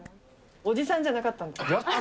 おじさんじゃなかった。